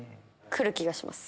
来る気がします。